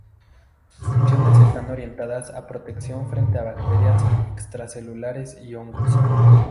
Sus funciones están orientadas a protección frente a bacterias extracelulares y hongos.